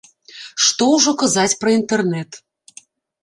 Што ўжо казаць пра інтэрнэт.